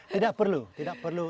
tidak perlu tidak perlu